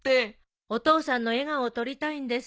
お父さんの笑顔を撮りたいんですって。